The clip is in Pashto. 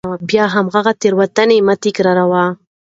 بیا هماغه تېروتنې مه تکراروئ.